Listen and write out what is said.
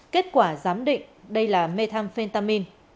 kết quả giám định đây là methamphetamine